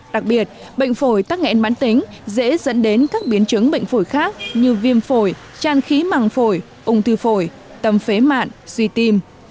đặc biệt bệnh phổi tăng nghẹn mãn tính dễ dẫn đến các biến chứng bệnh phổi khác như viêm phổi tràn khí màng phổi ung thư phổi tầm phế mạn